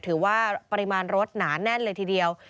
ถือว่าปริมาณรถหนาแน่นเลยทีเดียว